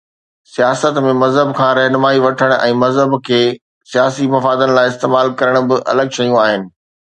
سياست ۾ مذهب کان رهنمائي وٺڻ ۽ مذهب کي سياسي مفادن لاءِ استعمال ڪرڻ ٻه الڳ شيون آهن.